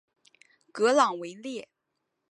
格朗维列。